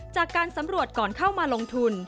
จากการสำรวจก่อนเข้ามาลงทุน